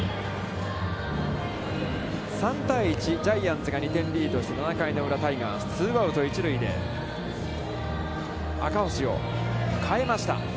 ３対１、ジャイアンツが２点リードして、７回裏、タイガース、ツーアウト、一塁で赤星は代えました。